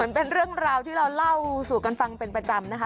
มันเป็นเรื่องราวที่เราเล่าสู่กันฟังเป็นประจำนะคะ